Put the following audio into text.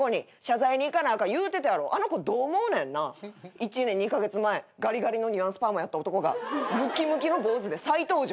１年２カ月前ガリガリのニュアンスパーマやった男がムキムキの坊主で再登場。